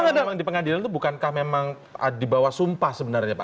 tapi kalau memang di pengadilan itu bukankah memang dibawa sumpah sebenarnya pak